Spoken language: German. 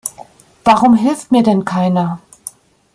Warum hilft mir denn keiner?